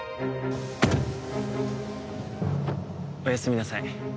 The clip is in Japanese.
おやすみなさい。